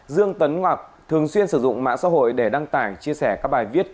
dương tấn ngọc thường xuyên sử dụng mạng xã hội để đăng tải chia sẻ các bài viết